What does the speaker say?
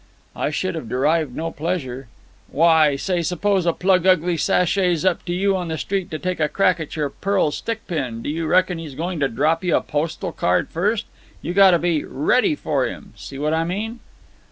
"I should have derived no pleasure——" "Why, say, suppose a plug ugly sasshays up to you on the street to take a crack at your pearl stick pin, do you reckon he's going to drop you a postal card first? You gotta be ready for him. See what I mean?"